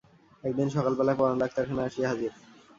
একদিন সকালবেলা পরান ডাক্তারখানায় আসিয়া হাজির।